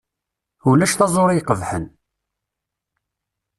Ulac taẓuri iqebḥen.